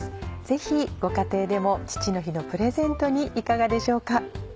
ぜひご家庭でも父の日のプレゼントにいかがでしょうか。